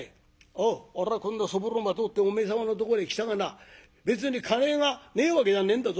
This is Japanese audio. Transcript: おうおらはこんなそぼろまとってお前様のとこに来たがな別に金がねえわけじゃねんだぞ。